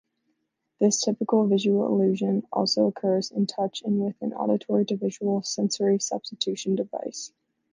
This typical visual illusion also occurs in touch and with an auditory-to-visual sensory-substitution device.